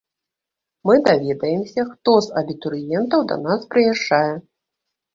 Мы даведаемся, хто з абітурыентаў да нас прыязджае.